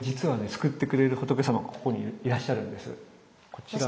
救ってくれる仏様がここにいらっしゃるんです。